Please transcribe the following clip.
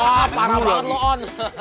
wah parah banget lu on